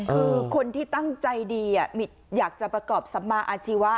คือคนที่ตั้งใจดีอยากจะประกอบสัมมาอาชีวะ